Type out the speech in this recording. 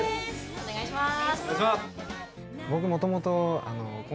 お願いします。